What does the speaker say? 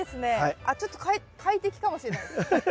あっちょっと快適かもしれない。